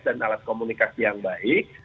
dan alat komunikasi yang baik